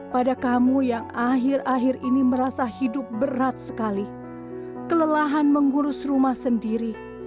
pada kamu yang akhir akhir ini merasa hidup berat sekali kelelahan mengurus rumah sendiri